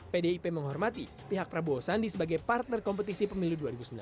pdip menghormati pihak prabowo sandi sebagai partner kompetisi pemilu dua ribu sembilan belas